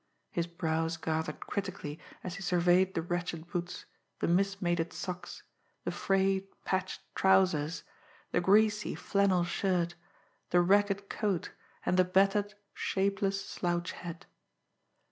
His brows gathered critically as he surveyed the wretched boots, the mismated socks, the frayed, patched trousers, the greasy flannel shirt, the ragged coat, and the battered, shapeless slouch hat.